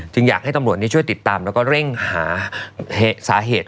อยากให้ตำรวจช่วยติดตามแล้วก็เร่งหาสาเหตุ